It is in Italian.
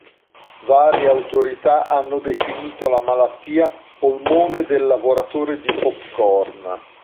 Varie autorità hanno definito la malattia "polmone del lavoratore di popcorn".